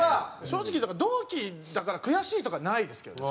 正直だから同期だから「悔しい」とかないですけどね